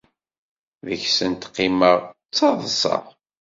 Deg-sent qqimeɣ ttaḍseɣ.